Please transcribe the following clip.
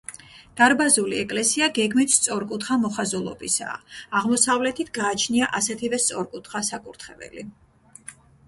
დარბაზული ეკლესია გეგმით სწორკუთხა მოხაზულობისაა, აღმოსავლეთით გააჩნია ასეთივე სწორკუთხა საკურთხეველი.